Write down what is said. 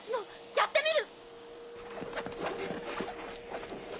やってみる！